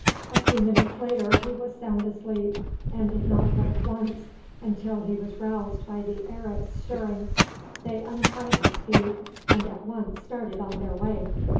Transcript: A few minutes later he was sound asleep, and did not wake once until he was roused by the Arabs stirring; they untied his feet, and at once started on their way.